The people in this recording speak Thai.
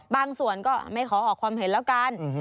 ก็ไม่ขอออกความเห็นแล้วกัน